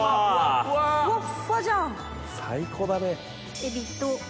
最高だね！